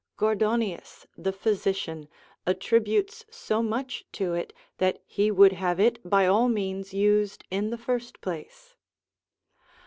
Gordonius, the physician, attributes so much to it, that he would have it by all means used in the first place.